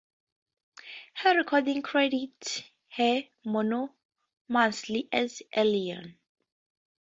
Her recordings credit her mononymously as Eileen.